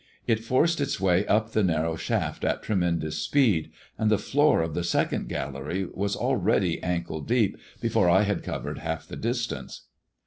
It forced its way up the narrow laft at tremendous speed, and the floor of the second illery was already ankle deep before I had covered half le distance.